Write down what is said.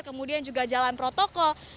kemudian juga jalan protokol